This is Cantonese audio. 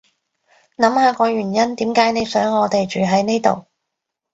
諗下個原因點解你想我哋住喺呢度